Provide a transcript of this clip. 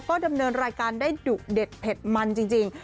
ก็ดำเนินรายการได้ดุเด็ดเผ็ดมันจริง